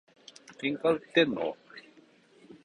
喧嘩売ってんの？